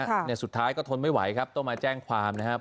เนี่ยสุดท้ายก็ทนไม่ไหวครับต้องมาแจ้งความนะครับ